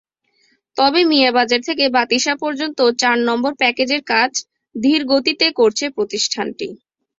তবে মিয়াবাজার থেকে বাতিশা পর্যন্ত চার নম্বর প্যাকেজের কাজ ধীরগতিতে করছে প্রতিষ্ঠানটি।